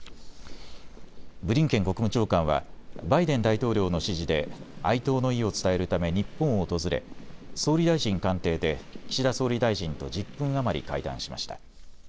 ブリンケン国務長官はバイデン大統領の指示で哀悼の意を伝えるため日本を訪れ、総理大臣官邸で岸田総理大臣と１０分余り会談しました。